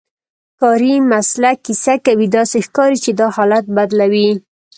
کاري مسلک کیسه کوي، داسې ښکاري چې دا حالت بدلوي.